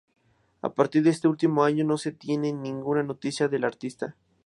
A partir de este último año, no se tiene ninguna noticia de la artista.